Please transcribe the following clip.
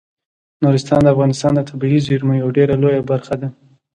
نورستان د افغانستان د طبیعي زیرمو یوه ډیره لویه برخه ده.